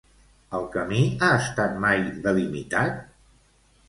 El camí ha estat mai delimitat?